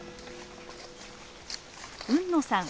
海野さん